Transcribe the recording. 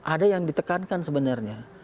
ada yang ditekankan sebenarnya